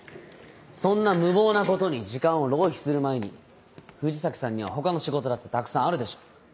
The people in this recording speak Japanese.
そんな無謀なことに時間を浪費する前に藤崎さんには他の仕事だってたくさんあるでしょ。